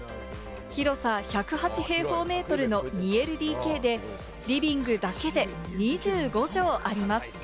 広さ１０８平方メートルの２ＬＤＫで、リビングだけで２５畳あります。